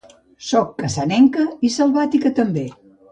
«Sóc cassanenca, i selvàtica també».